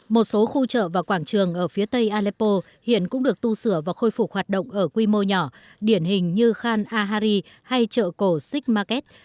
một số khu chợ và quảng trường ở phía tây aleppo hiện cũng được tu sửa và khôi phục hoạt động ở quy mô nhỏ điển hình như khan ahari hay chợ cổ sig market